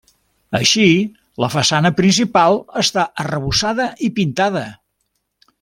Així la façana principal està arrebossada i pintada.